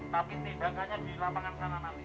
tapi tidak hanya di lapangan kanan kanan